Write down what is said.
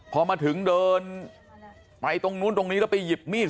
พอมาถึงเดินไปตรงนู้นตรงนี้แล้วไปหยิบมีด